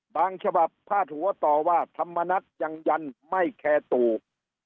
ฉบับพาดหัวต่อว่าธรรมนัฐยังยันไม่แคร์ตูก